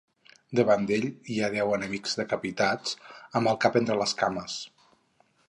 Davant d'ells hi ha deu enemics decapitats, amb el cap entre les cames.